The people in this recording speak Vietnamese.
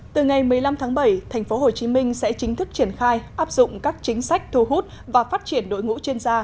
từ ngày một mươi năm tháng bảy tp hcm sẽ chính thức triển khai áp dụng các chính sách thu hút và phát triển đội ngũ chuyên gia